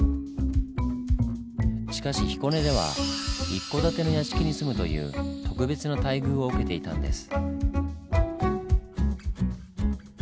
しかし彦根では一戸建ての屋敷に住むという特別な待遇を受けていたんです。